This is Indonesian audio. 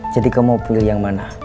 jadi kamu mau pilih yang mana